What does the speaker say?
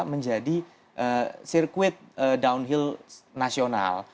menjadi sirkuit downhill nasional